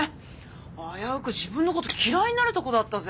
危うく自分のこと嫌いになるとこだったぜ。